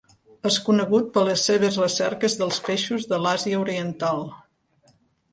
És conegut per a les seves recerques dels peixos de l'Àsia Oriental.